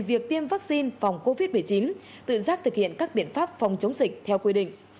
việc tiêm vaccine phòng covid một mươi chín tự giác thực hiện các biện pháp phòng chống dịch theo quy định